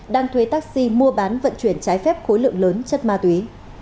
đang thuê taxi mua bán vận chuyển trái phép khối lượng lớn chất ma túy